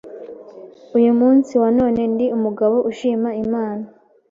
uyu munsi wa none ndi umugabo ushima Imana